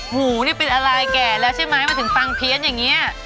หูนี่เป็นอะไรแก่แล้วใช่ไหมมันถึงฟังเพี้ยนอย่างนี้